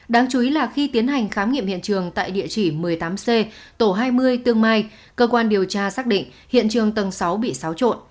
đáng chú ý là khi tiến hành khám nghiệm hiện trường tại địa chỉ một mươi tám c tổ hai mươi tương mai cơ quan điều tra xác định hiện trường tầng sáu bị xáo trộn